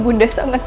ibu nanda sangat